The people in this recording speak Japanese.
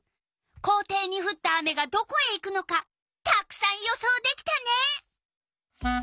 校庭にふった雨がどこへ行くのかたくさん予想できたね！